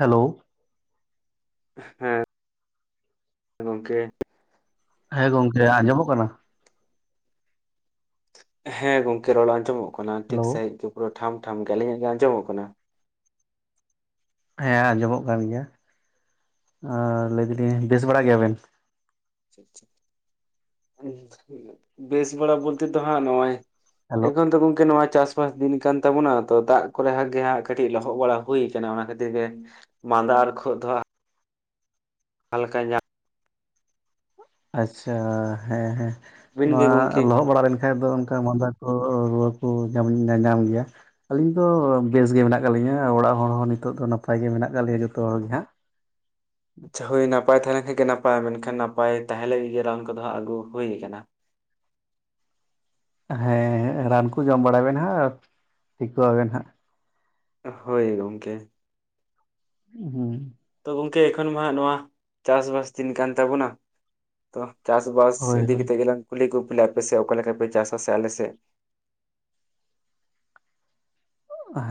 Hello. ᱦᱮᱸ ᱜᱚᱝᱠᱮ ᱦᱮᱸ ᱜᱚᱝᱠᱮ ᱟᱸᱡᱚᱢᱚᱜ ᱠᱟᱱᱟ? ᱦᱮᱸ ᱜᱚᱝᱠᱮ ᱨᱚᱲ ᱟᱸᱡᱚᱢᱚᱜ ᱠᱟᱱᱟ ᱴᱷᱤᱠ ᱦᱮᱞᱳ ᱥᱟᱺᱦᱤᱡ ᱜᱮ ᱯᱩᱨᱟᱹ ᱴᱷᱟᱢ ᱴᱷᱟᱢ ᱜᱮ ᱾ ᱟᱹᱞᱤᱧᱟᱜ ᱜᱮ ᱟᱸᱡᱚᱢᱚᱜ ᱠᱟᱱᱟ? ᱦᱮᱸ ᱟᱸᱡᱚᱢᱚᱜ ᱠᱟᱱ ᱜᱮᱭᱟ ᱾ ᱟᱸ ᱞᱟᱹᱭᱫᱟᱞᱤᱧ ᱵᱮᱥ ᱵᱟᱲᱟ ᱜᱮᱭᱟᱵᱮᱱ? ᱵᱮᱥ ᱵᱟᱲᱟ ᱵᱚᱞᱛᱮ ᱫᱚ ᱦᱟᱸᱜ ᱱᱚᱜ-ᱚᱭ ᱦᱮᱞᱳ ᱮᱠᱷᱚᱱ ᱛᱚ ᱜᱚᱝᱠᱮ ᱱᱚᱣᱟ ᱪᱟᱥ ᱵᱟᱥ ᱫᱤᱱ ᱠᱟᱱ ᱛᱟᱵᱚᱱᱟ ᱛᱚ ᱫᱟᱜ ᱠᱚᱨᱮ ᱦᱟᱸᱜ ᱜᱮ ᱦᱟᱸᱜ ᱠᱟᱹᱴᱤᱜ ᱞᱚᱦᱚᱜ ᱵᱟᱲᱟ ᱦᱩᱭ ᱠᱟᱱᱟ ᱚᱱᱟ ᱠᱷᱟᱹᱛᱤᱨ ᱜᱮ ᱢᱟᱸᱫᱟ ᱟᱨ ᱠᱷᱳᱜ ᱫᱚ ᱦᱟᱸᱜ ᱦᱟᱞᱠᱟ ᱧᱟ ᱟᱪᱪᱷᱟ ᱾ ᱦᱮᱸ ᱦᱮᱸ, ᱵᱤᱱ ᱜᱮ ᱱᱚᱣᱟ ᱜᱚᱝᱠᱮ ᱞᱚᱦᱚᱜ ᱵᱟᱲᱟ ᱞᱮᱱ ᱠᱷᱟᱡ ᱫᱚ ᱚᱱᱠᱟ ᱢᱟᱸᱫᱟ ᱠᱚ ᱨᱩᱣᱟᱹ ᱠᱚ ᱧᱟᱼᱧᱟᱢ ᱜᱮᱭᱟ᱾ ᱟᱹᱞᱤᱧ ᱫᱚ ᱵᱮᱥ ᱜᱮ ᱢᱮᱱᱟᱜ ᱠᱟᱜ ᱞᱤᱧᱟᱹ ᱾ ᱚᱲᱟᱜ ᱦᱚᱲ ᱦᱚᱸ ᱱᱤᱛᱚᱜ ᱫᱚ ᱱᱟᱯᱟᱭ ᱜᱮ ᱢᱮᱱᱟᱜ ᱟᱠᱟᱜ ᱞᱮᱭᱟ ᱡᱚᱛᱚ ᱦᱚᱲ ᱜᱮ ᱦᱟᱸᱜ᱾ ᱟᱪᱪᱷᱟ, ᱦᱳᱭ ᱱᱟᱯᱟᱭ ᱛᱟᱦᱮᱸ ᱞᱮᱱ ᱠᱷᱟᱡ ᱜᱮ ᱱᱟᱯᱟᱭ ᱢᱮᱱᱠᱷᱟᱱ ᱱᱟᱯᱟᱭ ᱛᱟᱦᱮᱸ ᱞᱟᱹᱜᱤᱫ ᱜᱮ ᱨᱟᱱ ᱠᱚᱫᱚ ᱦᱟᱸᱜ ᱟᱹᱜᱩ ᱦᱩᱭ ᱠᱟᱱᱟ᱾ ᱦᱮᱸ ᱦᱮᱸ ᱨᱟᱱ ᱠᱚ ᱡᱚᱢ ᱵᱟᱲᱟᱭ ᱵᱮᱱ ᱦᱟᱜ ᱴᱷᱤᱠᱚᱜ ᱟᱵᱮᱱ ᱦᱟᱸᱜ᱾ ᱦᱳᱭ ᱜᱚᱢᱠᱮ᱾ ᱦᱩᱸ ᱛᱚ ᱜᱚᱝᱠᱮ ᱮᱠᱷᱚᱱ ᱢᱟ ᱦᱟᱸᱜ ᱱᱚᱣᱟ ᱪᱟᱥᱵᱟᱥ ᱫᱤᱱ ᱠᱟᱱ ᱛᱟᱵᱚᱱᱟ ᱛᱚ ᱪᱟᱥ-ᱵᱟᱥ ᱦᱳᱭ ᱤᱫᱤ ᱦᱳᱭ ᱠᱟᱛᱮᱜ ᱜᱮᱞᱟᱝ ᱠᱩᱞᱤ ᱠᱩᱯᱞᱤᱜ-ᱟ ᱟᱯᱮ ᱥᱮᱜ ᱚᱠᱟ ᱞᱮᱠᱟ ᱯᱮ ᱪᱟᱥᱟ ᱥᱮ ᱟᱞᱮ ᱥᱮᱜ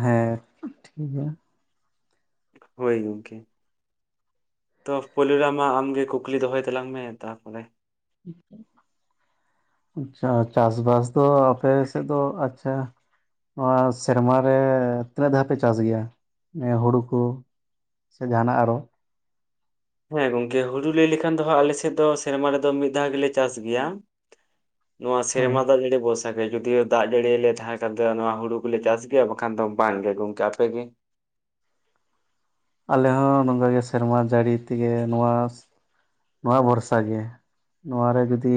ᱦᱮᱸ ᱴᱷᱤᱠ ᱜᱮᱭᱟ᱾ ᱦᱳᱭ ᱜᱚᱢᱠᱮ᱾ ᱛᱚ ᱯᱳᱭᱞᱳ ᱨᱮ ᱢᱟ ᱟᱢᱜᱮ ᱠᱩᱠᱞᱤ ᱫᱚᱦᱚᱭ ᱛᱟᱞᱟᱝ ᱢᱮ ᱛᱟᱯᱚᱨᱮ [unintelligible] ᱟᱪᱪᱷᱟ ᱪᱟᱥᱵᱟᱥ ᱫᱚ ᱟᱯᱮ ᱥᱮᱫ ᱫᱚ ᱟᱪᱪᱷᱟ ᱱᱚᱣᱟ ᱥᱮᱨᱢᱟᱨᱮ ᱛᱤᱱᱟᱹᱜ ᱫᱷᱟᱣ ᱯᱮ ᱪᱟᱥ ᱜᱮᱭᱟ ᱦᱩᱲᱩ ᱠᱚ? ᱥᱮ ᱡᱟᱦᱟᱱᱟᱜ ᱟᱨᱚ ᱦᱮᱸ ᱜᱚᱝᱠᱮ ᱦᱩᱲᱩ ᱞᱟᱹᱭ ᱞᱮᱠᱷᱟᱱ ᱫᱚ ᱦᱟᱸᱜ ᱟᱞᱮ ᱥᱮᱫ ᱫᱚ ᱥᱮᱨᱢᱟ ᱨᱮᱫᱚ ᱢᱤᱫ ᱫᱷᱟᱣ ᱜᱮᱞᱮ ᱪᱟᱥ ᱜᱮᱭᱟ᱾ ᱱᱚᱣᱟ ᱦᱳᱭ ᱥᱮᱨᱢᱟ ᱫᱟᱜ ᱡᱟᱹᱲᱤ [unintelligible] ᱥᱟᱜᱮ ᱡᱩᱫᱤᱭᱳ ᱫᱟᱜ ᱡᱟᱹᱲᱤ ᱛᱟᱦᱮᱸ ᱠᱷᱟᱱ ᱫᱚ ᱱᱚᱣᱟ ᱦᱩᱲᱩ ᱠᱚᱞᱮ ᱪᱟᱥ ᱜᱮᱭᱟ ᱵᱟᱠᱷᱟᱱ ᱫᱚ ᱵᱟᱝᱜᱮ ᱜᱚᱝᱠᱮ, ᱟᱯᱮ ᱜᱮ? ᱟᱞᱮ ᱦᱚᱸ ᱱᱚᱝᱠᱟ ᱜᱮ ᱥᱮᱨᱢᱟ ᱡᱟᱹᱲᱤ ᱛᱮᱜᱮ ᱱᱚᱣᱟ ᱱᱚᱣᱟ ᱵᱷᱚᱨᱥᱟ ᱜᱮ ᱾ ᱱᱚᱣᱟ ᱨᱮ ᱡᱩᱫᱤ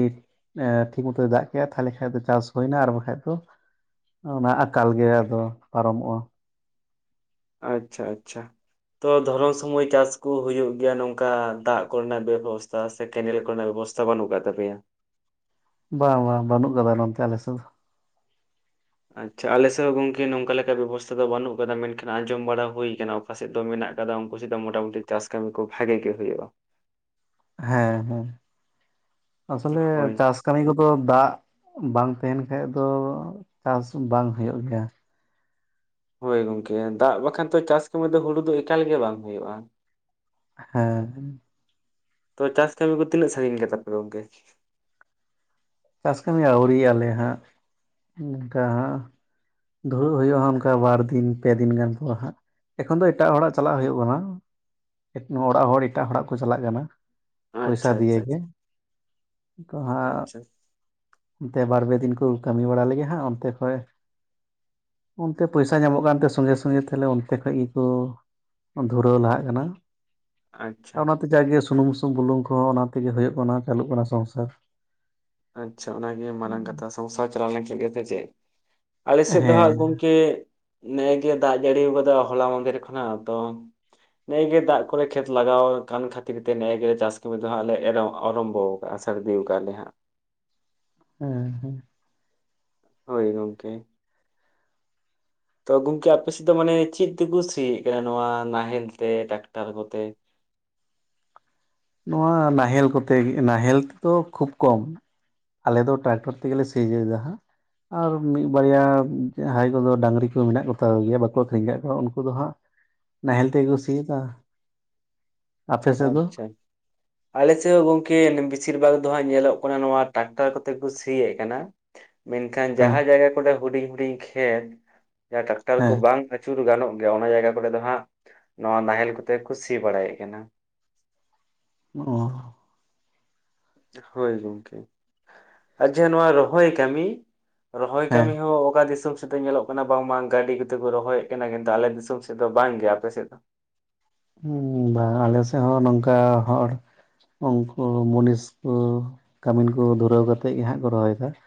ᱴᱷᱤᱠ ᱢᱚᱛᱚᱭ ᱫᱟᱜ ᱠᱮᱜᱼᱟ ᱛᱟᱦᱞᱮ ᱠᱷᱟᱡ ᱫᱚ ᱪᱟᱥ ᱦᱩᱭᱱᱟ ᱟᱨ ᱵᱟᱠᱷᱟᱡ ᱫᱚ ᱚᱱᱟ ᱟᱠᱟᱞ ᱜᱮ ᱟᱫᱚ ᱯᱟᱨᱚᱢᱚᱜ-ᱟ᱾ ᱟᱪᱪᱷᱟ ᱟᱪᱪᱷᱟ᱾ ᱛᱚ ᱫᱷᱚᱨᱚᱱ ᱥᱚᱢᱚᱭ ᱪᱟᱥ ᱠᱚ ᱦᱩᱭᱩᱜ ᱜᱮᱭᱟ ᱱᱚᱝᱠᱟ ᱫᱟᱜ ᱠᱚᱨᱮᱱᱟᱜ ᱵᱮᱵᱚᱥᱛᱟ ᱥᱮ ᱠᱮᱱᱮᱞ ᱠᱚᱨᱮᱱᱟᱜ ᱵᱮᱵᱚᱥᱛᱟ ᱵᱟᱹᱱᱩᱜ ᱠᱟᱫ ᱛᱟᱯᱮᱭᱟ? ᱵᱟᱝ ᱵᱟᱝ ᱵᱟᱹᱱᱩᱜ ᱠᱟᱫᱟ ᱱᱚᱱᱛᱮ ᱟᱞᱮᱥᱮᱫ ᱫᱚ᱾ ᱟᱪᱪᱷᱟ ᱟᱞᱮ ᱥᱮᱫ ᱦᱚᱸ ᱜᱚᱝᱠᱮ ᱱᱚᱝᱠᱟ ᱞᱮᱠᱟ ᱵᱮᱵᱚᱥᱛᱷᱟ ᱫᱚ ᱵᱟᱹᱱᱩᱜ ᱟᱠᱟᱫᱟ, ᱢᱮᱱᱠᱷᱟᱱ ᱟᱸᱡᱚᱢ ᱵᱟᱲᱟ ᱦᱩᱭ ᱠᱟᱱᱟ ᱚᱠᱟ ᱥᱮᱫ ᱫᱚ ᱢᱮᱱᱟᱜ ᱠᱟᱫᱟ ᱩᱱᱠᱩ ᱥᱮᱫ ᱫᱚ ᱢᱚᱴᱟᱢᱩᱴᱤ ᱪᱟᱥ ᱠᱟᱹᱢᱤ ᱠᱚ ᱵᱷᱟᱜᱮ ᱜᱮ ᱦᱩᱭᱩᱜ-ᱟ ᱾ ᱦᱮᱸ ᱦᱮᱸ ᱟᱥᱚᱞᱮ ᱦᱳᱭ ᱪᱟᱥ ᱠᱟᱹᱢᱤ ᱠᱚᱫᱚ ᱫᱟᱜ ᱵᱟᱝ ᱛᱟᱦᱮᱱ ᱠᱷᱟᱡ ᱫᱚ ᱪᱟᱥ ᱵᱟᱝ ᱦᱳᱭᱳᱜ ᱜᱮᱭᱟ᱾ ᱦᱳᱭ ᱜᱚᱝᱠᱮ ᱫᱟᱜ ᱵᱟᱠᱷᱟᱱ ᱛᱚ ᱪᱟᱥ ᱠᱟᱹᱢᱤ ᱫᱚ ᱦᱩᱲᱩ ᱫᱚ ᱮᱠᱟᱞ ᱜᱮ ᱵᱟᱝ ᱦᱩᱭᱩᱜ-ᱟ᱾ ᱦᱮᱸ᱾ ᱛᱚ ᱪᱟᱥ ᱠᱟᱹᱢᱤ ᱠᱚ ᱛᱤᱱᱟᱹᱜ ᱥᱟᱹᱜᱤᱧ ᱠᱮᱫᱟᱯᱮ ᱜᱚᱝᱠᱮ? ᱪᱟᱥ ᱠᱟᱹᱢᱤ ᱟᱹᱣᱨᱤ ᱟᱯᱮᱭᱟᱜ ᱦᱟᱸᱜ ᱚᱱᱠᱟ ᱦᱟᱸ ᱫᱷᱩᱲᱟᱜ ᱦᱳᱭᱳᱜ-ᱟ ᱦᱟᱸᱜ ᱚᱱᱠᱟ ᱵᱟᱨ ᱫᱤᱱ ᱯᱮ ᱫᱤᱱ ᱜᱟᱱ ᱯᱚᱨ ᱦᱟᱸᱜ᱾ ᱮᱠᱷᱚᱱ ᱫᱚ ᱮᱴᱟᱜ ᱦᱚᱲᱟᱜ ᱪᱟᱞᱟᱜ ᱦᱳᱭᱳᱜ ᱠᱟᱱᱟ ᱚᱲᱟᱜ ᱦᱚᱲ ᱮᱴᱟᱜ ᱦᱚᱲᱟᱜ ᱠᱚ ᱪᱟᱞᱟᱜ ᱠᱟᱱᱟ᱾ ᱯᱚᱭᱥᱟ ᱟᱪᱪᱷᱟ ᱫᱮᱭᱟ ᱟᱪᱪᱷᱟ ᱜᱮ ᱛᱚ ᱦᱟᱸᱜ ᱟᱪᱪᱷᱟ ᱚᱱᱛᱮ ᱵᱟᱨ ᱯᱮ ᱫᱤᱱ ᱠᱚ ᱠᱟᱹᱢᱤ ᱵᱟᱲᱟ ᱞᱮᱜᱮ ᱦᱟᱸᱜ ᱚᱱᱛᱮ ᱠᱷᱚᱡ ᱚᱱᱛᱮ ᱯᱚᱭᱥᱟ ᱧᱟᱢᱚᱜ ᱠᱟᱱᱛᱮ ᱥᱚᱸᱜᱮ ᱥᱚᱸᱜᱮ ᱛᱟᱞᱦᱮ ᱚᱱᱛᱮ ᱠᱷᱚᱡ ᱜᱮᱠᱚ ᱫᱷᱩᱨᱟᱹᱣ ᱞᱟᱦᱟᱜ ᱠᱟᱱᱟ᱾ ᱟᱪᱪᱷᱟ ᱾ ᱛᱚ ᱡᱟᱜᱮ ᱥᱩᱱᱩᱢ ᱵᱩᱞᱩᱝ ᱦᱚᱸ ᱚᱱᱟ ᱛᱮᱜᱮ ᱦᱩᱭᱩᱜ ᱠᱟᱱᱟ ᱪᱟᱹᱞᱩᱜ ᱠᱟᱱᱟ ᱥᱚᱝᱥᱟᱨ᱾ ᱟᱪᱪᱷᱟ ᱚᱱᱟᱜᱮ ᱢᱟᱨᱟᱝ ᱠᱟᱛᱷᱟ ᱥᱚᱝᱥᱟᱨ ᱪᱟᱞᱟᱣ ᱞᱮᱱᱠᱷᱟᱱ ᱜᱮ ᱥᱮ ᱪᱮᱫ᱾ ᱟᱞᱮ ᱥᱮᱫ ᱫᱚ ᱦᱟᱸᱜ ᱦᱮᱸ ᱜᱚᱝᱠᱮ ᱱᱮᱜ ᱮ ᱜᱮ ᱫᱟᱜ ᱡᱟᱹᱲᱤ ᱟᱠᱟᱫᱟ ᱦᱚᱞᱟ ᱢᱟᱫᱷᱮᱨ ᱠᱷᱚᱱᱟᱜ ᱛᱚ ᱱᱮᱜ ᱜᱮ ᱫᱟᱜ ᱠᱚᱨᱮ ᱠᱷᱮᱛ ᱞᱟᱜᱟᱣ ᱠᱟᱱ ᱠᱷᱟᱹᱛᱤᱨ ᱛᱮ ᱱᱮᱜ ᱜᱮ ᱪᱟᱥ ᱠᱟᱹᱢᱤ ᱫᱚ ᱦᱟᱸᱜ ᱞᱮ ᱟᱨᱚᱢᱵᱚ ᱛᱥᱟᱹᱨᱫᱤ ᱠᱟᱜ ᱞᱮ ᱦᱟᱸᱜ᱾ ᱦᱮᱸ ᱦᱮᱸ ᱾ ᱦᱳᱭ ᱜᱚᱢᱠᱮ᱾ ᱛᱚ ᱜᱚᱢᱠᱮ ᱟᱯᱮ ᱥᱮᱫ ᱫᱚ ᱢᱟᱱᱮ ᱪᱮᱫ ᱛᱮᱠᱚ ᱥᱤᱭᱮᱫ ᱠᱟᱱᱟ ᱱᱚᱣᱟ ᱱᱟᱦᱮᱞ ᱛᱮ ᱴᱟᱠᱴᱟᱨ ᱠᱚᱛᱮ? ᱱᱚᱣᱟ ᱱᱟᱦᱮᱞ ᱠᱚᱛᱮ ᱱᱟᱦᱮᱞ ᱛᱮᱫᱚ ᱠᱷᱩᱵ ᱠᱚᱢ᱾ ᱟᱞᱮ ᱫᱚ ᱴᱟᱠᱴᱚᱨ ᱛᱮᱜᱮ ᱞᱮ ᱥᱤ ᱦᱚᱪᱚᱭᱫᱟ ᱦᱟᱸᱜ ᱾ ᱟᱨ ᱢᱤᱫ ᱵᱟᱨᱭᱟ ᱡᱟᱦᱟᱸᱭ ᱠᱚᱫᱚ ᱰᱟᱹᱝᱨᱤ ᱠᱚ ᱢᱮᱱᱟᱜ ᱠᱚᱛᱟ ᱠᱚ ᱜᱮᱭᱟ ᱵᱟᱠᱚ ᱟᱠᱷᱨᱤᱧ ᱟᱠᱟᱫ ᱠᱚᱣᱟ ᱩᱱᱠᱩ ᱫᱚ ᱦᱟᱸᱜ ᱱᱟᱦᱮᱞ ᱛᱮ ᱜᱮ ᱠᱚ ᱥᱤ ᱠᱮᱫᱼᱟ ᱾ ᱟᱪᱪᱷᱟ ᱾ ᱟᱞᱮᱥᱮᱫ ᱦᱚᱸ ᱜᱚᱝᱠᱮ ᱵᱮᱥᱤᱨ ᱵᱷᱟᱜᱽ ᱫᱚᱦᱟᱸᱜ ᱧᱮᱞᱚᱜ ᱠᱟᱱᱟ ᱱᱚᱣᱟ ᱴᱟᱠᱴᱟᱨ ᱠᱚᱛᱮ ᱠᱚ ᱥᱤᱭᱮᱫ ᱠᱟᱱᱟ ᱾ ᱢᱮᱱᱠᱷᱟᱱ ᱦᱮᱸ ᱡᱟᱦᱟᱸ ᱡᱟᱭᱜᱟ ᱠᱚᱨᱮ ᱦᱩᱰᱤᱧ ᱦᱩᱰᱤᱧ ᱠᱷᱮᱛ ᱡᱟᱦᱟᱸ ᱴᱟᱠᱴᱟᱨ ᱠᱚ ᱦᱮᱸ ᱵᱟᱝ ᱟᱹᱪᱩᱨ ᱜᱟᱱᱚᱜ ᱜᱮᱭᱟ ᱚᱱᱟ ᱡᱟᱭᱜᱟ ᱠᱚᱨᱮ ᱫᱚ ᱦᱟᱸᱜ ᱱᱚᱣᱟ ᱱᱟᱦᱮᱞ ᱠᱚᱛᱮ ᱠᱚ ᱥᱤ ᱵᱟᱲᱟᱭᱮᱫ ᱠᱟᱱᱟ ᱾ ᱚᱦᱚᱻ ᱦᱳᱭ ᱜᱚᱢᱠᱮ ᱟᱨ ᱡᱟᱦᱟᱸ ᱱᱚᱣᱟ ᱨᱚᱦᱚᱭ ᱠᱟᱹᱢᱤ ᱨᱚᱦᱚᱭ ᱦᱮᱸ ᱠᱟᱹᱢᱤ ᱦᱚᱸ ᱚᱠᱟ ᱫᱤᱥᱚᱢ ᱥᱮᱫ ᱫᱚ ᱧᱮᱞᱚᱜ ᱠᱟᱱᱟ ᱵᱟᱝᱢᱟ ᱜᱟᱹᱰᱤ ᱠᱚᱛᱮ ᱠᱚ ᱨᱚᱦᱚᱭᱮᱫ ᱠᱟᱱᱟ ᱠᱤᱱᱛᱩ ᱟᱸᱞᱮ ᱫᱤᱥᱚᱢ ᱥᱮᱫ ᱫᱚ ᱵᱟᱝᱹ ᱜᱮ ᱟᱯᱮ ᱥᱮᱫ ᱫᱚ? ᱦᱮᱸ ᱵᱟᱝ ᱟᱞᱮ ᱥᱮᱫ ᱦᱚᱸ ᱱᱚᱝᱠᱟ ᱦᱚᱲ ᱩᱱᱠᱩ ᱢᱩᱱᱤᱥᱠᱩ ᱠᱟᱹᱢᱤᱱ ᱠᱚ ᱫᱷᱩᱨᱟᱹᱣ ᱠᱟᱛᱮᱫ ᱜᱮ ᱦᱟᱸᱜ ᱠᱚ ᱨᱚᱦᱚᱭᱮᱫᱟ ᱾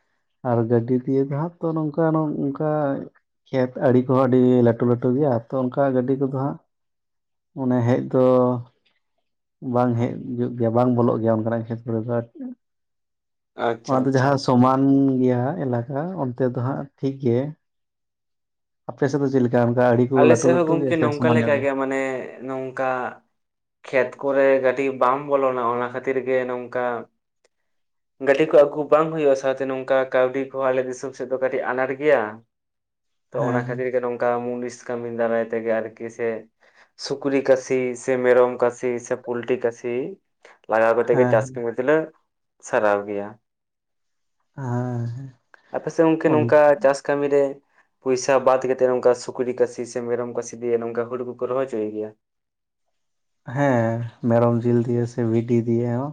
ᱟᱨ ᱜᱟᱹᱰᱤ ᱫᱤᱭᱮ ᱫᱚ ᱦᱟᱸᱜ ᱛᱚ ᱱᱚᱝᱠᱟ ᱱᱚᱜ ᱱᱚᱝᱠᱟ ᱠᱷᱮᱛ ᱟᱲᱮ ᱠᱚᱦᱚᱸ ᱟᱹᱰᱤ ᱞᱟᱹᱴᱩ ᱞᱟᱹᱴᱩ ᱜᱮᱭᱟ ᱛᱚ ᱚᱱᱠᱟ ᱜᱟᱹᱰᱤ ᱠᱚᱫᱚ ᱦᱟᱸᱜ ᱚᱱᱮ ᱦᱮᱡ ᱫᱚ ᱵᱟᱝ ᱦᱮᱡ ᱪᱩᱛ ᱜᱮᱭᱟ ᱵᱟᱝ ᱵᱚᱞᱚᱜ ᱜᱮᱭᱟ ᱚᱱᱠᱟᱱᱟᱜ ᱠᱷᱮᱛ ᱠᱚᱨᱮ ᱫᱚ ᱟᱨᱠᱤ ᱾ ᱟᱪᱪᱷᱟ ᱚᱱᱟ ᱫᱚ ᱟᱪᱪᱷᱟ ᱡᱟᱦᱟᱸ ᱥᱚᱢᱟᱱ ᱜᱮᱭᱟ ᱮᱞᱟᱠᱟ ᱚᱱᱛᱮ ᱫᱚ ᱦᱟᱸᱜ ᱴᱷᱤᱠ ᱜᱮ ᱾ ᱟᱯᱮ ᱥᱮᱫ ᱫᱚ ᱪᱮᱫ ᱞᱮᱠᱟ ᱚᱱᱠᱟ ᱟᱹᱰᱤ ᱠᱚ ᱞᱟᱹᱴᱩ ᱞᱟᱹᱴᱩ ᱜᱮᱭᱟ ᱥᱮ ᱥᱚᱢᱟᱱ ᱧᱚᱜ ᱜᱮ? ᱛ ᱢᱟᱱᱮ ᱱᱚᱝᱠᱟ ᱠᱷᱮᱛ ᱠᱚᱨᱮ ᱠᱟᱹᱴᱤᱡ ᱵᱟᱢ ᱵᱚᱞᱚᱱᱟ ᱚᱱᱟ ᱠᱷᱟᱹᱛᱤᱨ ᱜᱮ ᱱᱚᱝᱠᱟ ᱜᱟᱹᱰᱤ ᱠᱚ ᱟᱹᱜᱩ ᱵᱟᱝ ᱦᱩᱭᱩᱜᱼᱟ ᱥᱟᱶᱛᱮ ᱱᱚᱝᱠᱟ ᱠᱟᱹᱣᱰᱤ ᱠᱚᱦᱚᱸ ᱟᱞᱮ ᱫᱤᱥᱚᱢ ᱥᱮᱫ ᱫᱚ ᱠᱟᱹᱴᱤᱡ ᱟᱱᱟᱴ ᱜᱮᱭᱟ ᱾ ᱛᱚ ᱚᱱᱟ ᱦᱮᱸ ᱠᱷᱟᱹᱛᱤᱨ ᱜᱮ ᱱᱚᱝᱠᱟ ᱢᱩᱱᱤᱥ ᱠᱟᱹᱢᱤᱱ ᱫᱟᱨᱟᱭ ᱛᱮᱜᱮ ᱟᱨᱠᱤ ᱥᱮ ᱾ ᱥᱩᱠᱨᱤ ᱠᱟᱹᱥᱤ ᱥᱮ ᱢᱮᱨᱚᱢ ᱠᱟᱹᱥᱤ ᱥᱮ ᱯᱳᱞᱴᱤ ᱠᱟᱹᱥᱤ ᱾ ᱞᱟᱜᱟᱣ ᱠᱟᱛᱮᱫ ᱜᱮ ᱦᱮᱸ ᱪᱟᱥ ᱠᱟᱹᱢᱤ ᱛᱮᱞᱮ ᱥᱟᱨᱦᱟᱣ ᱜᱮᱭᱟ ᱦᱮᱸ ᱾ ᱟᱯᱮ ᱥᱮᱫ ᱜᱚᱝᱠᱮ ᱦᱮᱸ ᱱᱚᱝᱠᱟ ᱪᱟᱥ ᱠᱟᱹᱢᱤ ᱨᱮ ᱯᱚᱭᱥᱟ ᱵᱟᱫᱽ ᱠᱟᱛᱮ ᱱᱚᱝᱠᱟ ᱥᱩᱠᱨᱤ ᱠᱟᱹᱥᱤ ᱥᱤ ᱥᱮ ᱢᱮᱨᱚᱢ ᱠᱚ ᱥᱤᱫᱤᱭᱟ ᱱᱚᱝᱠᱟ ᱦᱳᱲᱳ ᱠᱚᱠᱚ ᱨᱚᱦᱚᱪᱚᱭ ᱜᱮᱭᱟ ᱾ ᱦᱮᱸ ᱢᱮᱨᱚᱢ ᱡᱤᱞ ᱫᱤᱭᱮ ᱥᱮ ᱵᱷᱤᱰᱤ ᱫᱤᱭᱮ ᱦᱚᱸ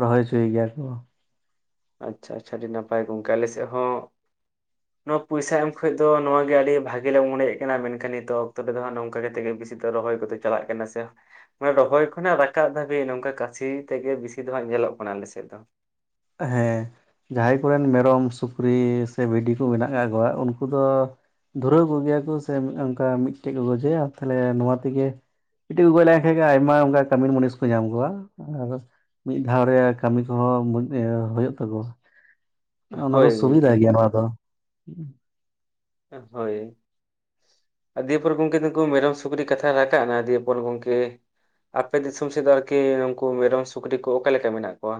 ᱨᱚᱦᱚᱭ ᱦᱚᱪᱚᱭ ᱜᱮᱭᱟ ᱠᱚ ᱾ ᱟᱪᱪᱷᱟ ᱟᱪᱪᱷᱟ ᱟᱹᱰᱤ ᱱᱟᱯᱟᱭ ᱜᱚᱝᱠᱮ ᱟᱞᱮ ᱥᱮᱫ ᱦᱚᱸ ᱱᱚᱣᱟ ᱯᱚᱭᱥᱟ ᱮᱢ ᱠᱷᱚᱡ ᱫᱚ ᱱᱚᱣᱟ ᱜᱮ ᱟᱹᱰᱤ ᱵᱷᱟᱜᱤ ᱞᱮ ᱢᱚᱱᱮᱫ ᱠᱟᱱᱟ ᱢᱮᱱᱠᱷᱟᱱ ᱱᱤᱛᱚᱜ ᱚᱠᱛᱚ ᱨᱮᱫᱚ ᱦᱟᱸᱜ ᱱᱚᱝᱠᱟ ᱠᱟᱛᱮ ᱜᱮ ᱵᱮᱥᱤ ᱫᱚ ᱨᱚᱦᱚᱭ ᱠᱚᱛᱮ ᱪᱟᱞᱟᱜ ᱠᱟᱱᱟ ᱥᱮ ᱾ ᱢᱟᱱᱮ ᱨᱚᱦᱚᱭ ᱠᱷᱚᱱᱟᱜ ᱨᱟᱠᱟᱵ ᱫᱷᱟᱹᱵᱤᱡ ᱱᱚᱝᱠᱟ ᱠᱟᱹᱥᱤ ᱛᱮᱜᱮ ᱵᱤᱥᱤ ᱫᱚ ᱦᱟᱸᱜ ᱧᱮᱞᱚᱜ ᱠᱟᱱᱟ ᱟᱞᱮᱥᱮᱫ ᱫᱚ ᱾ ᱦᱮᱸ ᱾ ᱡᱟᱦᱟᱸᱭ ᱠᱚᱨᱮᱱ ᱢᱮᱨᱚᱢ ᱥᱩᱠᱨᱤ ᱥᱮ ᱵᱷᱤᱰᱤ ᱠᱚ ᱢᱮᱱᱟᱜ ᱟᱠᱟᱫ ᱠᱚᱣᱟ ᱩᱱᱠᱩ ᱫᱚ ᱫᱷᱩᱨᱟᱹᱣ ᱠᱚᱜᱮᱭᱟ ᱠᱚ ᱥᱮ ᱚᱱᱠᱟ ᱢᱤᱫᱴᱮᱡ ᱠᱚ ᱜᱚᱡᱮᱭᱟ ᱛᱟᱦᱞᱮ ᱱᱚᱣᱟ ᱛᱮᱜᱮ ᱢᱤᱫᱴᱮᱡ ᱠᱚ ᱜᱚᱡ ᱞᱮᱱᱠᱷᱟᱱ ᱜᱮ ᱟᱭᱢᱟ ᱚᱱᱠᱟ ᱠᱟᱹᱢᱤ ᱢᱩᱱᱤᱥ ᱠᱚ ᱧᱟᱢ ᱠᱚᱣᱟ ᱟᱨ ᱢᱤᱫ ᱫᱷᱟᱣ ᱨᱮ ᱠᱟᱹᱢᱤ ᱠᱚᱦᱚᱸ ᱦᱩᱭᱩᱜ ᱛᱟᱠᱚᱣᱟ ᱾ ᱚᱱᱟ ᱫᱚ ᱦᱳᱭ ᱜᱚᱝᱠᱮ ᱥᱩᱵᱤᱫᱷᱟ ᱜᱮᱭᱟ ᱱᱚᱣᱟ ᱫᱚ‌ ᱾ ᱦᱮᱸ ᱦᱳᱭ ᱾ ᱫᱤᱭᱮᱯᱚᱨ ᱜᱚᱢᱠᱮ ᱱᱩᱠᱩ ᱢᱮᱨᱚᱢ ᱥᱩᱠᱨᱤ ᱠᱟᱛᱷᱟ ᱨᱟᱠᱟᱵ ᱮᱱᱟ ᱫᱤᱭᱯᱚᱨ ᱜᱚᱢᱠᱮ ᱟᱯᱮ ᱫᱤᱥᱚᱢ ᱥᱮᱫ ᱫᱚ ᱟᱨᱠᱤ ᱱᱩᱠᱩ ᱢᱮᱨᱚᱢ ᱥᱩᱠᱨᱤ ᱠᱚ ᱚᱠᱟ ᱞᱮᱠᱟ ᱢᱮᱱᱟᱜ ᱠᱚᱣᱟ?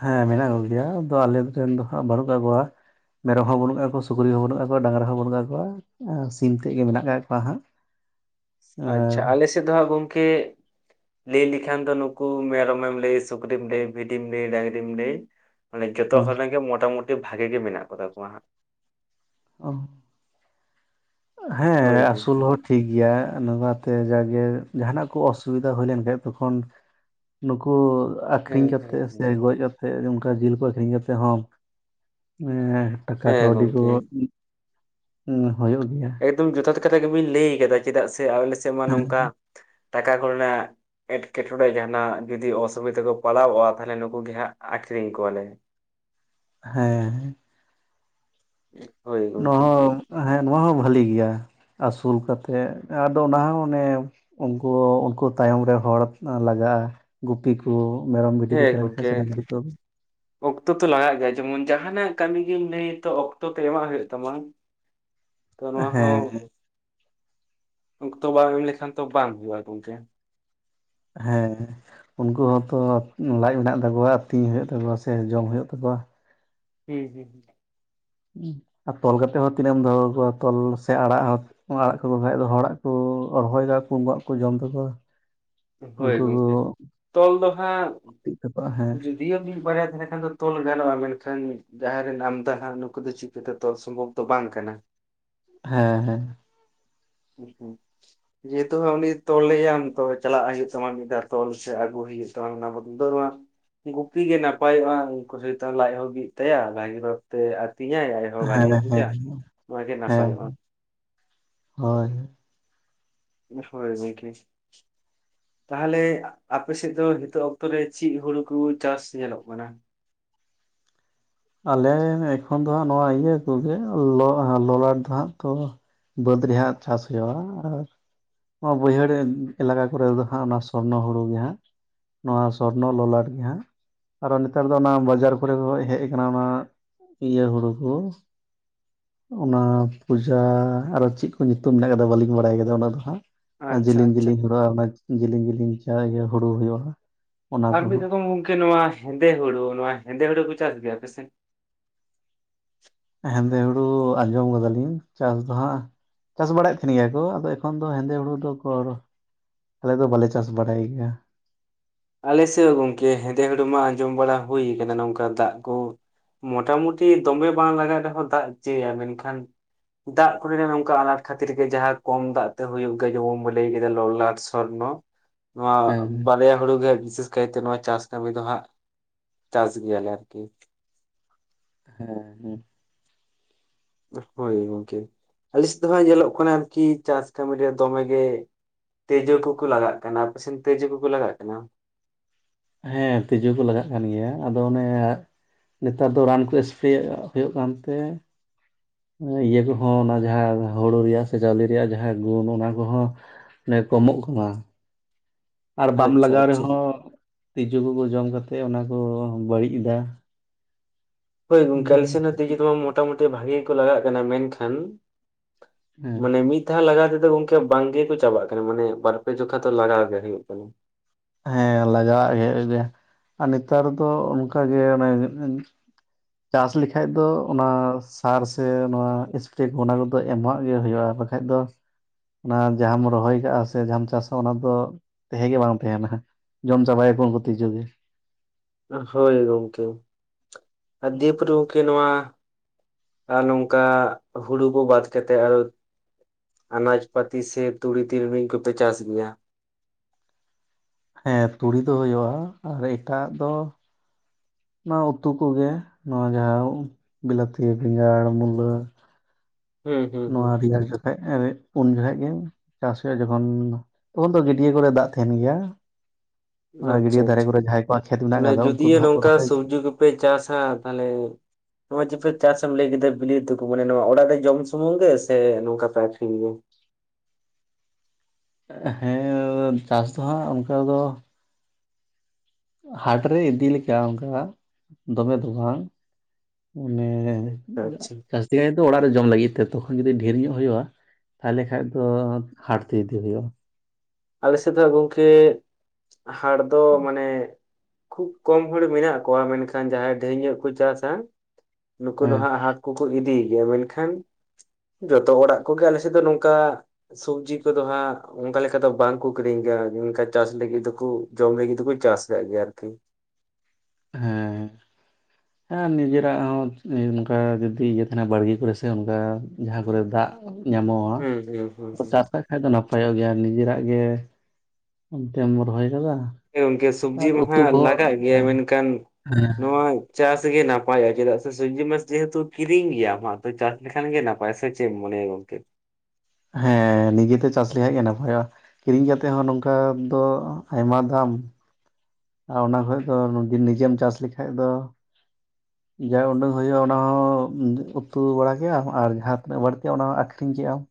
ᱦᱮᱸ ᱢᱮᱱᱟᱜ ᱠᱚᱜᱮᱭᱟ ᱟᱫᱚ ᱟᱞᱮ ᱱᱚᱛᱷᱮᱱ ᱫᱚ ᱦᱟᱸᱜ ᱵᱟᱹᱱᱩᱜ ᱠᱟᱜ ᱠᱚᱣᱟ ᱾ ᱢᱮᱨᱚᱢ ᱦᱚᱸ ᱵᱟᱹᱱᱩᱜ ᱟᱠᱟᱫ ᱠᱚᱣᱟ ᱥᱩᱠᱨᱤ ᱦᱚᱸ ᱵᱟᱹᱱᱩᱜ ᱠᱟᱫ ᱠᱚᱣᱟ ᱰᱟᱝᱨᱟ ᱦᱚᱸ ᱵᱟᱹᱱᱩᱜ ᱟᱠᱟᱫ ᱠᱚᱣᱟ ᱥᱤᱢ ᱛᱮᱫ ᱜᱮ ᱢᱮᱱᱟᱜ ᱟᱠᱟᱫ ᱠᱚᱣᱟ ᱦᱟᱸᱜ ᱾ ᱟᱪᱪᱷᱟ ᱟᱞᱮ ᱥᱮᱫ ᱫᱚ ᱦᱟᱸᱜ ᱜᱚᱢᱠᱮ ᱞᱟᱹᱭ ᱞᱮᱠᱷᱟᱱ ᱫᱚ ᱱᱩᱠᱩ ᱢᱮᱨᱚᱢᱮᱢ ᱞᱟᱹᱭ ᱥᱩᱠᱨᱤᱢ ᱞᱟᱹᱭ ᱵᱷᱤᱰᱤᱢ ᱞᱟᱹᱭ ᱰᱟᱝᱨᱤᱢ ᱞᱟᱹᱭ ᱢᱟᱱᱮ ᱡᱚᱛᱚ ᱦᱩᱸ ᱦᱚᱲ ᱨᱮᱱ ᱜᱮ ᱢᱚᱴᱟᱢᱩᱴᱤ ᱵᱷᱟᱜᱮ ᱜᱮ ᱢᱮᱱᱟᱜ ᱠᱚᱛᱟ ᱠᱚᱣᱟ ᱦᱟᱸᱜ ᱚ ᱦᱮᱸ ᱦᱳᱭ ᱟᱥᱩᱞ ᱜᱚᱝᱠᱮ ᱦᱚᱲ ᱴᱷᱤᱠ ᱜᱮᱭᱟ ᱱᱚᱣᱟᱛᱮ ᱡᱟᱜᱮ ᱡᱟᱦᱟᱸᱱᱟᱜ ᱠᱚ ᱚᱥᱩᱵᱤᱫᱟ ᱦᱩᱭ ᱞᱮᱱ ᱠᱷᱟᱭ ᱛᱚᱠᱷᱚᱱ ᱱᱩᱠᱩ ᱦᱮᱸ ᱟᱠᱷᱨᱤᱧ ᱦᱮᱸ ᱠᱟᱛᱮᱜ ᱥᱮ ᱦᱮᱸ ᱜᱚᱡ ᱠᱟᱛᱮᱜ ᱚᱱᱠᱟ ᱡᱤᱞ ᱠᱚ ᱟᱹᱷᱨᱤᱧ ᱠᱟᱛᱮᱜ ᱦᱚᱸ ᱮᱸ ᱴᱟᱠᱟ ᱦᱮᱸ ᱠᱟᱹᱣᱰᱤ ᱠᱚ ᱜᱚᱝᱠᱮ ᱩᱸ ᱦᱩᱭᱩᱜ ᱜᱮᱭᱟ᱾ ᱮᱫᱚᱢ ᱡᱚᱛᱷᱟᱛ ᱠᱟᱛᱷᱟ ᱜᱮᱵᱤᱱ ᱞᱟᱹᱭ ᱠᱟᱫᱟ ᱪᱮᱫᱟᱜ ᱥᱮ ᱟᱞᱮ ᱥᱮᱜ ᱢᱟ ᱱᱚᱝᱠᱟ ᱦᱮᱸ ᱴᱟᱠᱟ ᱠᱚᱨᱮᱱᱟᱜ ᱮᱴᱠᱮᱴᱚᱬᱮ ᱡᱟᱦᱟᱸᱱᱟᱜ ᱡᱩᱫᱤ ᱚᱥᱩᱵᱤᱫᱟ ᱠᱚ ᱯᱟᱲᱣᱚᱜᱼᱟ ᱛᱟᱦᱚᱞᱮ ᱱᱩᱠᱩ ᱜᱮ ᱦᱟᱸᱜ ᱟᱠᱷᱨᱤᱧ ᱠᱚᱣᱟᱞᱮ᱾ ᱦᱮᱸ ᱦᱮᱸ [inaudible] ᱱᱚᱣᱟ ᱦᱚᱸ ᱦᱮᱸ ᱱᱚᱣᱟ ᱦᱚᱸ ᱵᱷᱟᱞᱤ ᱜᱮᱭᱟ ᱟᱥᱩᱞ ᱠᱟᱛᱮᱜ ᱟᱫᱚ ᱚᱱᱟ ᱦᱚᱸ ᱚᱱᱮ, ᱩᱱᱠᱩ ᱩᱱᱠᱩ ᱛᱟᱭᱚᱢ ᱨᱮ ᱦᱚᱲ ᱞᱟᱜᱟᱜᱼᱟ᱾ ᱜᱩᱯᱤ ᱠᱚ ᱢᱮᱨᱚᱢ ᱵᱤᱰᱤ ᱠᱚ ᱦᱮᱸ ᱛᱟᱦᱮᱸ ᱞᱮᱱ ᱠᱷᱟᱭ ᱜᱚᱝᱠᱮ ᱥᱮ ᱰᱟᱝᱨᱤ ᱠᱚ ᱚᱠᱛᱚ ᱛᱚ ᱞᱟᱜᱟᱜ ᱜᱮᱭᱟ ᱡᱮᱢᱚᱱ ᱡᱟᱦᱟᱸᱱᱟᱜ ᱠᱟᱹᱢᱤ ᱜᱮᱢ ᱞᱟᱹᱭ ᱛᱚ ᱚᱠᱛᱚ ᱛᱮ ᱮᱢᱟᱜ ᱦᱩᱭᱩᱜ ᱛᱟᱢᱟ᱾ [inaudible] ᱛᱚ ᱱᱚᱣᱟ ᱦᱚᱸ ᱦᱮᱸ ᱚᱠᱛᱚ ᱵᱟᱝ ᱮᱢ ᱞᱮᱠᱷᱟᱱ ᱛᱚ ᱵᱟᱝ ᱦᱩᱭᱩᱜᱼᱟ ᱜᱚᱝᱠᱮ᱾ ᱦᱮᱸ ᱦᱮᱸ, ᱩᱱᱠᱩ ᱦᱚᱸᱛᱚ ᱞᱟᱡ ᱢᱮᱱᱟᱜ ᱛᱟᱠᱚᱣᱟ ᱟᱹᱛᱤᱧ ᱦᱩᱭᱩᱜ ᱛᱟᱠᱚᱣᱟ ᱥᱮ ᱡᱚᱢ ᱦᱩᱭᱩᱜ ᱛᱟᱠᱚᱣᱟ ᱦᱩᱸ ᱦᱩᱸᱦᱩᱸ᱾ ᱟᱨ ᱛᱚᱞ ᱠᱟᱛᱮᱜ ᱦᱚᱸ ᱛᱤᱱᱟᱹᱜ ᱮᱢ ᱫᱚᱦᱚ ᱠᱚᱣᱟ ᱛᱚᱞ ᱥᱮ ᱟᱲᱟᱜ ᱦᱚᱸ ᱚᱱᱟ ᱟᱲᱟᱜ ᱠᱚᱠᱚ ᱠᱷᱟᱭ ᱫᱚ ᱦᱚᱲᱟᱜ ᱠᱚ ᱨᱚᱦᱚᱭ ᱫᱟ ᱠᱚ [unintelligible] ᱠᱚ ᱡᱚᱢ ᱛᱟᱠᱚᱣᱟ ᱦᱳᱭ ᱩᱱᱠᱩ ᱠᱚ ᱜᱚᱝᱠᱮ ᱛᱚᱞ ᱫᱚ ᱦᱟᱸᱜ ᱜᱩᱯᱤᱜ ᱛᱟᱠᱚᱣᱟ ᱦᱮᱸ ᱡᱩ ᱫᱤᱭᱚ ᱢᱤᱜ ᱵᱟᱨᱭᱟ ᱛᱟᱦᱮᱸ ᱠᱷᱟᱱ ᱫᱚ ᱛᱚᱞ ᱜᱟᱱᱚᱜᱼᱟ ᱢᱮᱱᱠᱷᱟᱱ ᱡᱟᱦᱟᱸ ᱨᱮᱱ ᱟᱢᱫᱟ ᱦᱟᱸ ᱱᱩᱠᱩ ᱫᱚ ᱪᱤᱠᱟᱹᱛᱮ ᱛᱚᱞ ᱥᱚᱢᱵᱷᱚᱵ ᱛᱚ ᱵᱟᱝ ᱠᱟᱱᱟ᱾ ᱦᱮᱸ ᱦᱮᱸ᱾ ᱦᱩᱸ ᱦᱩᱸ, ᱡᱮᱦᱮᱛᱩ ᱩᱱᱤ ᱛᱚᱞᱮᱭᱟᱢ ᱛᱚ ᱪᱟᱞᱟᱜ ᱦᱩᱭᱩᱜ ᱛᱟᱢᱟ ᱢᱤᱫ ᱫᱷᱟᱣ ᱛᱚᱞ ᱥᱮ ᱟᱹᱜᱩ ᱦᱩᱭᱩᱜ ᱛᱟᱢᱟ ᱚᱱᱟ ᱵᱚᱫᱚᱞ ᱫᱚ ᱱᱚᱣᱟ ᱜᱩᱯᱤ ᱜᱮ ᱱᱟᱯᱟᱭᱚᱜᱼᱟ ᱩᱱᱠᱩ ᱥᱟᱛᱮ ᱞᱟᱡ ᱦᱚᱸ ᱵᱤᱜ ᱛᱟᱭᱟ ᱵᱷᱟᱹᱜᱤ ᱵᱷᱟᱜᱤᱛᱮ ᱟᱹᱛᱤᱧᱟᱭ ᱦᱚᱸ ᱵᱷᱟᱹᱜᱤ ᱦᱮᱸ ᱦᱮᱸ ᱵᱩᱡᱟ ᱦᱮᱸ ᱱᱚᱣᱟ ᱜᱮ ᱦᱮᱸ ᱱᱟᱯᱟᱭᱚᱜᱼᱟ ᱦᱳᱭ᱾ ᱦᱚᱭ ᱜᱚᱝᱠᱮ, ᱛᱟᱦᱚᱞᱮ ᱟᱯᱮ ᱥᱮᱜ ᱫᱚ ᱱᱤᱛᱚᱜ ᱚᱠᱛᱚ ᱨᱮ ᱪᱮᱜ ᱦᱩᱲᱩ ᱠᱚ ᱪᱟᱥ ᱧᱮᱞᱚᱜ ᱠᱟᱱᱟ? ᱟᱞᱮ ᱮᱠᱷᱚᱱ ᱫᱚ ᱦᱟᱸᱜ ᱱᱚᱣᱟ ᱤᱭᱟᱹ ᱠᱚᱜᱮ ᱞᱚ ᱞᱚᱞᱟᱴ ᱫᱚ ᱦᱟᱸᱜ ᱛᱚ ᱵᱟᱹᱫᱽ ᱨᱮᱦᱟᱸᱜ ᱪᱟᱥ ᱦᱩᱭᱩᱜᱼᱟ ᱟᱨ ᱱᱚᱣᱟ ᱵᱟᱹᱭᱦᱟᱹᱲ ᱮᱞᱟᱠᱟ ᱠᱚᱨᱮ ᱫᱚ ᱦᱟᱸᱜ ᱚᱱᱟ ᱥᱚᱨᱱᱚ ᱦᱩᱲᱩ ᱜᱮ ᱦᱟᱸᱜ᱾ ᱱᱚᱣᱟ ᱥᱚᱨᱱᱚ ᱞᱚᱞᱟᱴ ᱜᱮ ᱦᱟᱸᱜ ᱟᱨᱚ ᱱᱮᱛᱟᱨ ᱫᱚ ᱚᱱᱟ ᱵᱟᱡᱟᱨ ᱠᱚᱨᱮ ᱠᱷᱚᱭ ᱦᱮᱜ ᱠᱟᱱᱟ ᱚᱱᱟ ᱤᱭᱟᱹ ᱦᱩᱲᱩ ᱠᱚ ᱚᱱᱟ ᱯᱩᱡᱟ ᱟᱨᱚ ᱪᱮᱜ ᱠᱚ ᱧᱩᱛᱩᱢ ᱢᱮᱱᱟᱜ ᱠᱟᱫᱟ ᱵᱟᱹᱞᱤᱧ ᱵᱟᱲᱟᱭ ᱠᱟᱫᱟ ᱩᱱᱟᱹᱜ ᱫᱚ ᱦᱟᱸᱜ᱾ ᱟᱪᱪᱷᱟ ᱡᱮᱞᱤᱧ ᱟᱪᱪᱷᱟ ᱡᱮᱞᱤᱧ ᱦᱩᱲᱚᱜᱼᱟ ᱚᱱᱟ ᱡᱮᱞᱤᱧ ᱡᱮᱞᱤᱧ ᱪᱷᱟ ᱦᱩᱲᱩ ᱦᱩᱭᱩᱜᱼᱟ᱾ ᱚᱱᱟ ᱟᱨ ᱢᱤᱫ ᱠᱚᱦᱚᱸ ᱨᱚᱠᱚᱢ ᱜᱚᱝᱠᱮ ᱱᱚᱣᱟ ᱦᱮᱸᱫᱮ ᱦᱩᱲᱩ ᱱᱚᱣᱟ ᱦᱮᱸᱫᱮ ᱦᱩᱲᱩ ᱠᱚ ᱪᱟᱥ ᱜᱮᱭᱟ ᱟᱯᱮᱥᱮᱜ? ᱦᱮᱸᱫᱮ ᱦᱩᱲᱩ ᱟᱸᱡᱚᱢ ᱠᱟᱫᱟᱞᱤᱧ ᱪᱟᱥ ᱫᱚ ᱦᱟᱸᱜ ᱪᱟᱥ ᱵᱟᱲᱟᱭᱮᱫ ᱛᱟᱦᱮᱸᱱ ᱜᱮᱭᱟ ᱠᱚ ᱟᱫᱚ ᱮᱠᱷᱚᱱ ᱫᱚ ᱦᱮᱸᱫᱮ ᱦᱩᱲᱩ ᱫᱚ ᱚᱠᱚᱨ ᱟᱞᱮ ᱫᱚ ᱵᱟᱞᱮ ᱪᱟᱥ ᱵᱟᱲᱟᱭ ᱜᱮᱭᱟ᱾ ᱟᱞᱮ ᱥᱮᱜ ᱦᱚᱸ ᱜᱚᱝᱠᱮ ᱦᱮᱸᱫᱮ ᱦᱮᱲᱩ ᱢᱟ ᱟᱸᱡᱚᱢ ᱵᱟᱲᱟ ᱦᱩᱭ ᱠᱟᱱᱟ ᱱᱚᱝᱠᱟ ᱫᱟᱜᱽ ᱠᱚ ᱢᱚᱴᱟᱢᱩᱴᱤ ᱫᱚᱢᱮ ᱵᱟᱝ ᱞᱟᱜᱟᱜ ᱨᱮᱦᱚᱸ ᱫᱟᱜᱽ ᱪᱮᱭᱟ ᱢᱮᱱᱠᱷᱟᱱ, ᱫᱟᱜ ᱠᱚᱨᱮᱱᱟᱜ ᱱᱚᱝᱠᱟ ᱟᱱᱟᱴ ᱠᱷᱟᱹᱛᱤᱨ ᱜᱮ ᱡᱟᱸᱦᱟ ᱠᱚᱢ ᱫᱟᱜ ᱛᱮ ᱦᱩᱭᱩᱜ ᱜᱮᱭᱟ ᱡᱮᱢᱚᱱ ᱵᱚᱱ ᱞᱟᱹᱭ ᱠᱮᱫᱟ ᱞᱚᱞᱟᱴ ᱥᱚᱨᱱᱚ ᱱᱚᱣᱟ ᱦᱮᱸ ᱵᱟᱨᱭᱟ ᱦᱩᱲᱩ ᱜᱮ ᱵᱤᱥᱮᱥ ᱠᱟᱭᱛᱮ ᱱᱚᱣᱟ ᱪᱟᱥ ᱠᱟᱹᱢᱤ ᱫᱚ ᱦᱟᱸᱜ ᱪᱟᱥ ᱜᱮᱭᱟᱞᱮ ᱟᱨᱠᱤ ᱦᱮᱸ ᱦᱮᱸ ᱦᱳᱭ ᱜᱚᱝᱠᱮ ᱟᱞᱮ ᱥᱮᱫ ᱫᱚ ᱦᱟᱸᱜ ᱧᱮᱞᱚᱜ ᱠᱟᱱᱟ ᱟᱨᱠᱤ ᱪᱟᱥ ᱠᱟᱹᱢᱤ ᱨᱮ ᱫᱚᱢᱮ ᱜᱮ ᱛᱤᱡᱳ ᱠᱩ ᱠᱩ ᱞᱟᱜᱟᱜ ᱠᱟᱱᱟ ᱟᱯᱮᱥᱮᱱ ᱛᱮᱡᱳ ᱠᱚᱠᱚ ᱞᱟᱜᱟᱜ ᱠᱟᱱᱟ? ᱦᱮᱸ ᱛᱤᱡᱩ ᱠᱚ ᱞᱟᱜᱟᱜ ᱠᱟᱱ ᱜᱮᱭᱟ ᱟᱫᱚ ᱚᱱᱮ ᱱᱮᱛᱟᱨ ᱫᱚ ᱨᱟᱱ ᱠᱚ ᱞᱮ ᱮᱥᱯᱨᱮ ᱦᱩᱭᱩᱜ ᱠᱟᱱ ᱛᱮ ᱤᱭᱟᱹ ᱠᱚᱸᱦᱚ ᱚᱱᱟ ᱡᱟᱦᱟᱸ ᱦᱩᱲᱩ ᱨᱮᱭᱟᱜ ᱥᱮ ᱪᱟᱣᱞᱮ ᱨᱮᱭᱟᱜ ᱡᱟᱦᱟᱸ ᱜᱩᱱ ᱚᱱᱟ ᱠᱚᱸᱦᱚ ᱢᱟᱱᱮ ᱠᱚᱢᱚᱜ ᱠᱟᱱᱟ ᱟᱨ ᱵᱟᱢ ᱟᱪᱪᱷᱟ ᱞᱟᱜᱟᱣ ᱟᱪᱪᱷᱟ ᱨᱮᱸᱦᱚ ᱛᱤᱡᱩ ᱠᱚᱠᱚ ᱡᱚᱢ ᱠᱛᱮᱫ ᱚᱱᱟ ᱠᱚ ᱵᱟᱹᱲᱤᱡ ᱫᱟ ᱦᱳᱭ ᱜᱚᱝᱠᱮ ᱟᱞᱮ ᱥᱮᱫ ᱦᱚᱸ ᱛᱤᱡᱩ ᱫᱚ ᱢᱳᱴᱟᱼᱢᱩᱴᱤ ᱵᱷᱟᱹᱜᱮ ᱜᱮ ᱠᱚ ᱞᱟᱜᱟᱜ ᱠᱟᱱᱟ ᱢᱮᱱᱠᱷᱟᱱ ᱦᱮᱸ ᱢᱟᱱᱮ ᱢᱤᱫ ᱫᱷᱟᱣ ᱞᱟᱜᱟᱣ ᱛᱮᱫᱚ ᱜᱚᱝᱠᱮ ᱵᱟᱝᱜᱮᱠᱚ ᱪᱟᱵᱟᱜ ᱠᱟᱱᱟ ᱢᱟᱱᱮ ᱵᱟᱨ, ᱯᱮ ᱡᱚᱠᱷᱟᱜ ᱛᱚ ᱞᱟᱜᱟᱣ ᱜᱮ ᱦᱩᱭᱩᱜ ᱠᱟᱱᱟ ᱦᱮᱸ ᱞᱟᱜᱟᱣᱟᱜ ᱜᱮ ᱟᱨ ᱱᱮᱛᱟᱨ ᱫᱚ ᱚᱱᱠᱟᱜᱮ ᱚᱱᱮ ᱪᱟᱥ ᱞᱮᱠᱠᱷᱟᱡ ᱫᱚ ᱚᱱᱟ ᱥᱟᱨ ᱥᱮ ᱱᱚᱣᱟ ᱮᱥᱯᱨᱮ ᱠᱚ ᱚᱱᱟ ᱠᱚᱫᱚ ᱮᱢᱚᱜᱟᱜ ᱜᱮ ᱦᱩᱭᱩᱜᱼᱟ ᱠᱷᱟᱡ ᱫᱚ ᱚᱱᱟ ᱡᱟᱸᱦᱟᱢ ᱨᱚᱦᱚᱭ ᱠᱟᱜᱼᱟ ᱥᱮ ᱡᱟᱦᱟᱸᱢ ᱪᱟᱥᱟ ᱚᱱᱟ ᱫᱚ ᱛᱮᱦᱮ ᱜᱮ ᱵᱟᱝ ᱛᱮᱦᱮᱱᱟ ᱡᱚᱢ ᱪᱟᱵᱟᱭᱟᱠᱚ ᱛᱤᱡᱩ ᱜᱮ᱾ ᱦᱳᱭ ᱜᱚᱢᱠᱮ ᱟᱨ ᱫᱤᱭᱮ ᱯᱚᱨ ᱜᱚᱢᱠᱮ ᱱᱚᱣᱟ ᱟᱨ ᱱᱚᱝᱠᱟ ᱦᱩᱲᱩ ᱠᱚ ᱵᱟᱫ ᱠᱟᱛᱮᱜ ᱟᱨᱚ ᱟᱱᱟᱡᱽ ᱯᱟᱹᱛᱤ ᱥᱮ ᱛᱩᱲᱤ ᱛᱤᱞᱢᱤᱧ ᱠᱚᱯᱮ ᱪᱟᱥ ᱜᱮᱭᱟ? ᱦᱮᱸ ᱛᱩᱲᱤ ᱫᱚ ᱦᱩᱭᱩᱜ-ᱟ ᱟᱨ ᱮᱴᱟᱜ ᱫᱚ ᱱᱚᱣᱟ ᱩᱛᱩ ᱠᱚᱜᱮ ᱱᱚᱣᱟ ᱡᱟᱦᱟᱸ ᱵᱤᱞᱟᱹᱛᱤ, ᱵᱮᱸᱜᱟᱲ, ᱢᱩᱞᱟᱹ᱾ ᱦᱩᱸ ᱦᱩᱸ ᱦᱩᱸ ᱱᱚᱣᱟ ᱨᱤᱭᱟᱜ ᱜᱮ ᱩᱱ ᱡᱚᱠᱷᱮᱡ ᱜᱮ ᱪᱟᱥ ᱦᱩᱭᱩᱜ-ᱟ ᱡᱚᱠᱷᱚᱱ ᱛᱚᱠᱷᱚᱱ ᱫᱚ ᱜᱟᱹᱰᱭᱟᱹ ᱠᱚᱨᱮ ᱫᱟᱜ ᱛᱟᱦᱮᱸᱱ ᱜᱮᱭᱟ ᱟᱪᱪᱷᱟ ᱜᱟᱹᱰᱭᱟᱹ ᱫᱷᱟᱨᱮ ᱟᱪᱪᱷᱟ ᱠᱚᱨᱮ ᱡᱟᱦᱟᱸᱭ ᱠᱚᱣᱟᱜ ᱠᱷᱮᱛ ᱢᱮᱱᱟᱜ ᱟᱠᱟᱫᱟ ᱩᱱᱠᱩ ᱡᱚᱫᱤᱭᱳ ᱫᱚ ᱦᱟᱸᱜ ᱠᱚ ᱱᱚᱝᱠᱟ ᱨᱚᱦᱚᱭ ᱜᱮᱭᱟ ᱥᱚᱵᱡᱤ ᱯᱮ ᱪᱟᱥ-ᱟ ᱛᱟᱦᱞᱮ ᱱᱚᱜ-ᱚᱭ ᱡᱮᱯᱮ ᱪᱟᱥ-ᱟ ᱮᱢ ᱞᱟᱹᱭ ᱠᱮᱫᱟ ᱵᱤᱞᱟᱹᱛᱤ ᱠᱩ ᱢᱟᱱᱮ ᱱᱚᱣᱟ ᱚᱲᱟᱜ ᱨᱮ ᱡᱚᱢ ᱥᱩᱢᱩᱝ ᱜᱮ ᱥᱮ ᱱᱚᱝᱠᱟ ᱯᱮ ᱟᱹᱠᱷᱨᱤᱧ ᱜᱮᱭᱟ? ᱦᱮᱸ ᱪᱟᱥ ᱫᱚ ᱦᱟᱸᱜ ᱚᱱᱠᱟ ᱫᱚ ᱦᱟᱴ ᱨᱮ ᱤᱫᱤ ᱞᱮᱠᱟ ᱚᱝᱠᱟ ᱫᱚᱢᱮ ᱫᱚ ᱵᱟᱝ ᱚᱱᱮ ᱟᱪᱪᱷᱟ ᱟᱪᱪᱷᱟ ᱡᱟᱥᱛᱤ ᱜᱟᱭᱛᱮ ᱫᱚ ᱚᱲᱟᱜ ᱨᱮ ᱡᱚᱢ ᱞᱟᱹᱜᱤᱫ ᱛᱮ ᱛᱚᱠᱷᱚᱱ ᱡᱩᱫᱤ ᱰᱷᱮᱨ ᱧᱚᱜ ᱦᱩᱭᱩᱜ-ᱟ ᱛᱟᱞᱮ ᱠᱷᱟᱡ ᱫᱚ ᱦᱟᱴ ᱛᱮ ᱤᱫᱤ ᱦᱩᱭᱩᱜ-ᱟ ᱟᱞᱮ ᱥᱮᱫ ᱫᱚ ᱜᱚᱝᱠᱮ ᱦᱟᱴ ᱫᱚ ᱢᱟᱱᱮ ᱠᱷᱩᱵ ᱠᱚᱢ ᱦᱚᱲ ᱢᱮᱱᱟᱜ ᱠᱚᱣᱟ ᱢᱮᱱᱠᱷᱟᱱ ᱡᱟᱦᱟᱸᱭ ᱰᱷᱮᱨ ᱧᱚᱜ ᱠᱚ ᱪᱟᱥᱟ ᱱᱩᱠᱩ ᱫᱚ ᱦᱮᱸ ᱦᱟᱸᱜ ᱦᱟᱴ ᱠᱚᱠᱚ ᱤᱫᱤ ᱜᱮᱭᱟ ᱢᱮᱱᱠᱷᱟᱱ ᱡᱚᱛᱚ ᱚᱲᱟᱜ ᱠᱚᱜᱮ ᱟᱞᱮ ᱥᱮᱫ ᱫᱚ ᱱᱚᱝᱠᱟ ᱥᱚᱵᱽᱡᱤ ᱠᱚᱫᱚ ᱦᱟᱸᱜ ᱚᱝᱠᱟ ᱞᱮᱠᱟ ᱫᱚ ᱵᱟᱝᱠᱚ ᱠᱤᱨᱤᱧ ᱜᱮᱭᱟ ᱚᱝᱠᱟ ᱪᱟᱥ ᱞᱟᱹᱜᱤᱫ ᱫᱚᱠᱚ ᱡᱚᱢ ᱞᱟᱹᱜᱤᱫ ᱫᱚᱠᱚ ᱪᱟᱥ ᱟᱠᱟᱜ ᱜᱮᱭᱟ ᱟᱨᱠᱤ ᱦᱮᱸ [inaudible] ᱦᱮᱸ ᱱᱤᱡᱮᱨᱟᱜ ᱦᱚᱸ ᱚᱱᱠᱟ ᱡᱩᱫᱤ ᱤᱭᱟᱹ ᱛᱟᱦᱮᱸᱱᱟ ᱵᱟᱲᱜᱮ ᱠᱚᱨᱮ ᱥᱮ ᱚᱱᱠᱟ ᱡᱟᱦᱟᱸ ᱠᱚᱨᱮ ᱫᱟᱜ ᱧᱟᱢᱚᱜ-ᱟ ᱦᱩᱸ ᱦᱩᱸ ᱦᱩᱸ ᱛᱚ ᱦᱩᱸ ᱪᱟᱥ ᱠᱟᱜ ᱠᱷᱟᱡ ᱫᱚ ᱱᱟᱯᱟᱭᱚᱜ ᱜᱮᱭᱟ ᱱᱤᱡᱮᱨᱟᱜ ᱜᱮ ᱪᱮᱫ ᱮᱢ ᱨᱚᱦᱚᱭ ᱠᱟᱫᱟ? ᱦᱮᱸ ᱜᱚᱝᱠᱮ ᱥᱚᱵᱽᱡᱤ ᱟᱨ ᱢᱟᱦᱟ ᱩᱛᱩ ᱞᱟᱜᱟᱜ ᱠᱚᱦᱚᱸ ᱜᱮᱭᱟ ᱢᱮᱱᱠᱷᱟᱱ ᱦᱮᱸ ᱱᱚᱣᱟ ᱪᱟᱥ ᱜᱮ ᱱᱟᱯᱟᱭᱚᱜ-ᱟ ᱪᱮᱫᱟᱜ ᱥᱮ ᱥᱚᱵᱽᱡᱤ ᱢᱟ ᱡᱮᱦᱮᱛᱩ ᱠᱤᱨᱤᱧ ᱜᱮᱭᱟᱢ ᱦᱟᱸᱜ ᱛᱚ ᱪᱟᱥ ᱞᱮᱠᱷᱟᱱ ᱜᱮ ᱱᱟᱯᱟᱭ ᱥᱮ ᱪᱮᱫ ᱮᱢ ᱢᱚᱱᱮᱭᱟ ᱜᱚᱝᱠᱮ ᱦᱮᱸ ᱱᱤᱡᱮᱛᱮ ᱪᱟᱥ ᱞᱮᱠᱷᱟᱡ ᱜᱮ ᱱᱟᱯᱟᱭᱚᱜ-ᱟ ᱠᱤᱨᱤᱧ ᱠᱟᱛᱮᱫ ᱦᱚᱸ ᱱᱚᱝᱠᱟ ᱫᱚ ᱟᱭᱢᱟ ᱫᱟᱢ ᱾ ᱟᱨ ᱚᱱᱟ ᱠᱷᱚᱡ ᱫᱚ ᱱᱚᱫᱤ ᱱᱤᱡᱮᱢ ᱪᱟᱥ ᱞᱮᱠᱷᱟᱡ ᱫᱚ [unintelligible] ᱡᱟ ᱩᱰᱟᱹᱝ ᱦᱩᱭᱩᱜ-ᱟ ᱚᱱᱟ ᱦᱚᱸ ᱩᱛᱩ ᱵᱟᱲᱟ ᱠᱮᱜ ᱟᱢ ᱟᱨ ᱡᱟᱦᱟᱸ ᱛᱤᱱᱟᱹᱜ ᱵᱟᱹᱲᱛᱤᱜ-ᱟ ᱚᱱᱟ ᱦᱚᱸ ᱟᱹᱠᱷᱨᱤᱧ ᱠᱮᱜ-ᱟᱢ ᱾